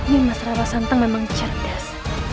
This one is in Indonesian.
ya mas rawa santang memang cerdas